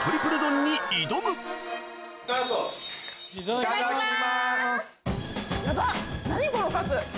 いただきます！